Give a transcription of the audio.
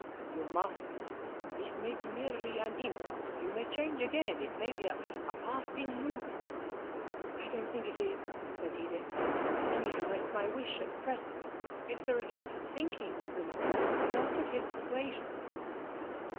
'You mustn't. This may be merely an impulse; you may change again. It may be a passing mood.' 'I don't think it is,' said Edith. 'Anyhow, it's my wish at present. It's the result of thinking, remember not of his persuasion.'